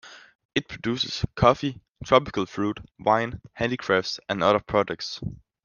It produces coffee, tropical fruit, wine, handicrafts, and other products.